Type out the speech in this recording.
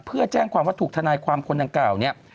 เพื่อแจ้งความว่าถูกธนายความคนนั้นเก่า